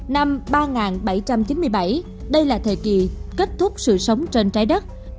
năm ba nghìn bảy trăm chín mươi bảy đây là thời kỳ kết thúc sự sống trên trái đất